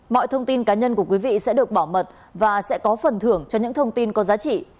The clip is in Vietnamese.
mọi thông tin cá nhân của quý vị sẽ được bảo mật và sẽ có phần thưởng cho những thông tin có giá trị